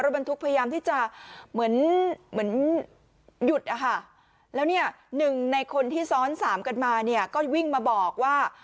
บรรทุกพยายามที่จะเหมือนเหมือนหยุดอะค่ะแล้วเนี่ยหนึ่งในคนที่ซ้อนสามกันมาเนี่ยก็วิ่งมาบอกว่า